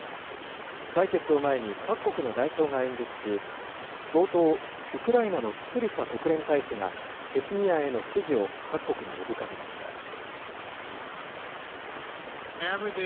採決を前に、各国の代表が演説し、冒頭、ウクライナのキスリツァ国連大使が、決議案への支持を各国に呼びかけました。